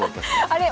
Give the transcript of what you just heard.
あれ？